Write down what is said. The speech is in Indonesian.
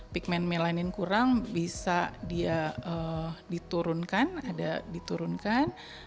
pigment melanin kurang bisa dia diturunkan